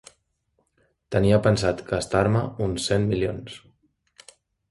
Tenia pensat gastar-me uns cent milions.